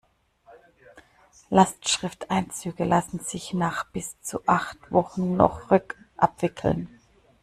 Lastschrifteinzüge lassen sich nach bis zu acht Wochen noch rückabwickeln.